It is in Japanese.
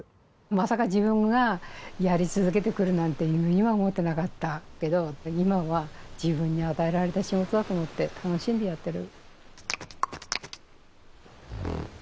まさか自分がやり続けてくるなんて夢にも思ってなかったけど今は自分に与えられた仕事だと思って楽しんでやってる。